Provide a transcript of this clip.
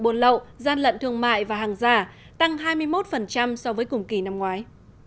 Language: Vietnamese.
buôn lậu gian lận thương mại và hàng giả tăng hai mươi một so với cùng kỳ năm ngoái